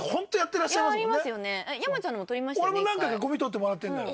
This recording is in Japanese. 俺も何回かゴミ取ってもらってるのよ。